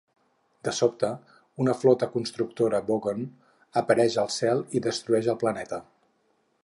De sobte, una Flota Constructora Vogon apareix al cel i destrueix el planeta.